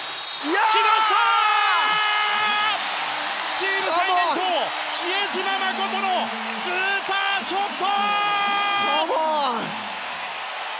チーム最年長、比江島慎のスーパーショット！